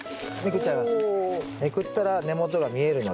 めくったら根元が見えるので。